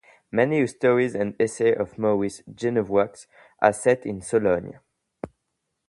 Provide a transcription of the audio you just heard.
Many stories and essays of Maurice Genevoix are set in Sologne.